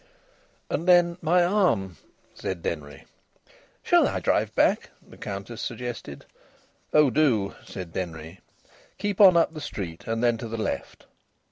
"And then my arm?" said Denry. "Shall I drive back?" the Countess suggested. "Oh, do," said Denry. "Keep on up the street, and then to the left."